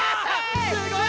すごい！